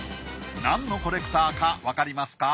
なんのコレクターかわかりますか？